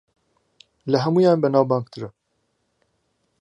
لە ھەموویان بەناوبانگترە